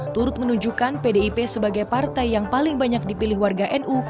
turut menunjukkan pdip sebagai partai yang paling banyak dipilih warga nu